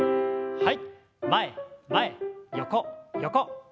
はい。